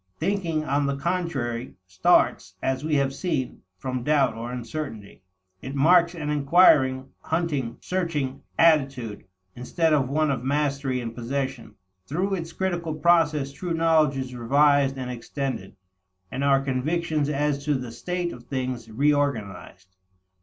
Thinking on the contrary, starts, as we have seen, from doubt or uncertainty. It marks an inquiring, hunting, searching attitude, instead of one of mastery and possession. Through its critical process true knowledge is revised and extended, and our convictions as to the state of things reorganized.